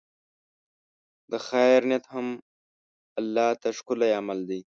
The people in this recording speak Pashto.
د خیر نیت هم الله ته ښکلی عمل دی.